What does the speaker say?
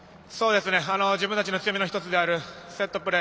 自分たちの強みの１つであるセットプレー。